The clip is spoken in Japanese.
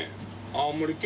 青森県。